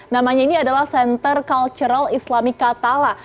namanya ini adalah center cultural islami katala